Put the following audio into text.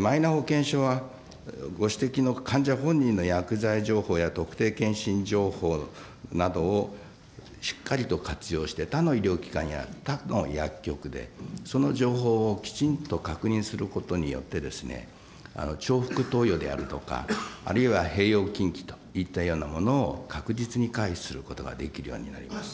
マイナ保険証はご指摘の患者本人の薬剤情報や、特定健診情報などをしっかりと活用して、他の医療機関や、他の薬局で、その情報をきちんと確認することによって、重複投与であるとか、あるいは併用禁忌といったようなものを確実に回避することができるようになります。